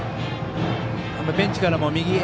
ベンチからも右へ！